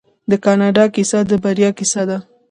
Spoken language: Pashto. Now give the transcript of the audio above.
د کاناډا کیسه د بریا کیسه ده.